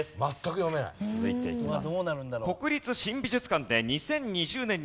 続いていきます。